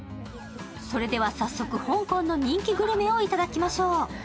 それでは早速、香港の人気グルメをいただきましょう。